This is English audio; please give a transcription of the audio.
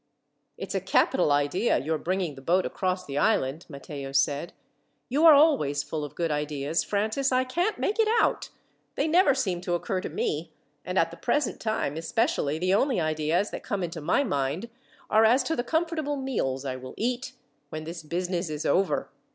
"It's a capital idea your bringing the boat across the island," Matteo said. "You are always full of good ideas, Francis. I can't make it out. They never seem to occur to me, and at the present time, especially, the only ideas that come into my mind are as to the comfortable meals I will eat, when this business is over.